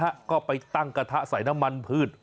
ใช่ครับพอเสร็จนะฮะก็ไปตั้งกระทะใส่น้ำมันพืช